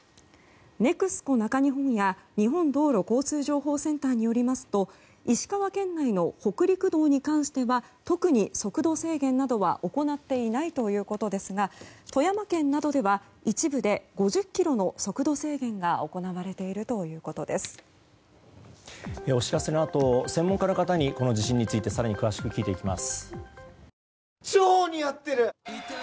ＮＥＸＣＯ中日本や日本道路交通情報センターによりますと石川県内の北陸道に関しては特に速度制限などは行っていないということですが富山県などでは一部で５０キロの速度制限が国会記者会館から中継でお伝えします。